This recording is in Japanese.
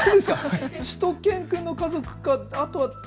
しゅと犬くんの家族か